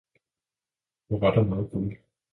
Hvor der var meget guld!